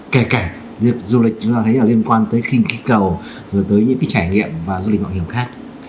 kể cả việc du lịch chúng ta thấy là liên quan tới khinh kích cầu rồi tới những cái trải nghiệm và du lịch mạo hiểm khác